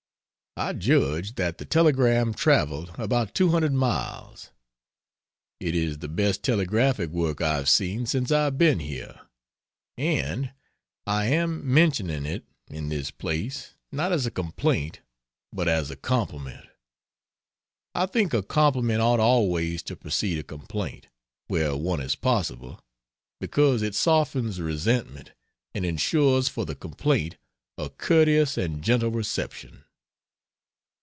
I judge that the telegram traveled about 200 miles. It is the best telegraphic work I have seen since I have been here, and I am mentioning it in this place not as a complaint but as a compliment. I think a compliment ought always to precede a complaint, where one is possible, because it softens resentment and insures for the complaint a courteous and gentle reception.